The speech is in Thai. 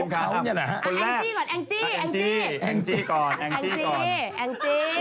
คุณกล้อง